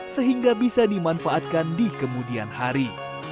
sehingga bisa dimanfaatkan di kemudian hari